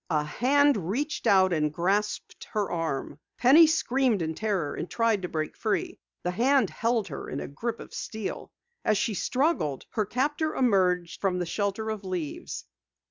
A hand reached out and grasped her arm. Penny screamed in terror and tried to break free. The hand help her in a grip of steel. As she struggled, her captor emerged from the shelter of leaves.